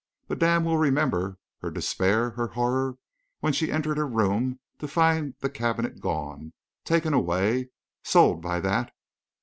Madame will remember her despair, her horror, when she entered her room to find the cabinet gone, taken away, sold by that....